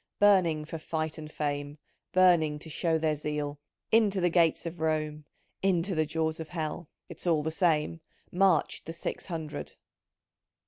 — Burning for fight and fame — Burning to show their zeal = 3* Into the gates of Rome, Into the jaws of Hell, (It's all the same) ! Marched the Six Hundred